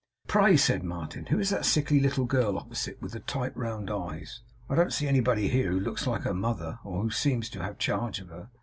'Pray,' said Martin, 'who is that sickly little girl opposite, with the tight round eyes? I don't see anybody here, who looks like her mother, or who seems to have charge of her.